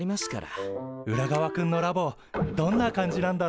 ウラガワくんのラボどんな感じなんだろう。